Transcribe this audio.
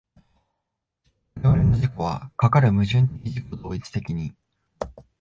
我々の自己はかかる矛盾的自己同一的に